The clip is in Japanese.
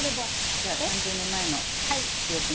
じゃあ３０年前の記憶に乾杯。